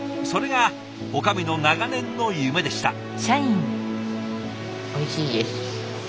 それが女将の長年の夢でした。